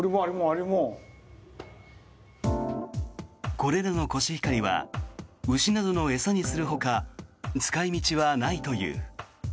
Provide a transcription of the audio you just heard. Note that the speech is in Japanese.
これらのコシヒカリは牛などの餌にするほか使い道はないという。